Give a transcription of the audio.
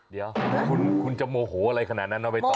เดี๋ยวคุณจะโมโหอะไรขนาดนั้นเนาะไปต่อ